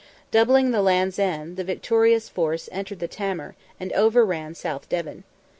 Doubling the Land's End, the victorious force entered the Tamar, and overran South Devon.